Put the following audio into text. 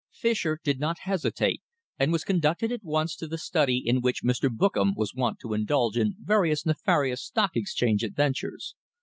Fischer did not hesitate, and was conducted at once to the study in which Mr. Bookam was wont to indulge in various nefarious Stock Exchange adventures.